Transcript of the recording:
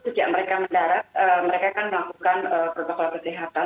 sejak mereka mendarat mereka kan melakukan protokol kesehatan